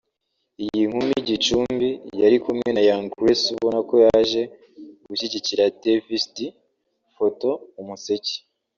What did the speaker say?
Iyi nkumi i Gicumbi yari kumwe na Young Grace ubona ko yaje gushyigikira Davis D (Photo/umuseke)